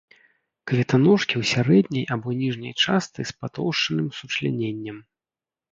Кветаножкі ў сярэдняй або ніжняй частцы з патоўшчаным сучляненнем.